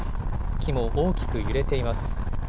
木も大きく揺れています。